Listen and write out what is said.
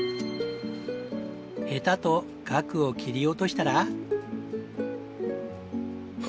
ヘタとガクを切り落としたら。